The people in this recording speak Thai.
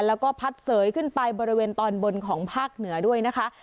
แล้วก็พัดเสยขึ้นไปบริเวณตอนบนของภาคเหนือด้วยนะคะ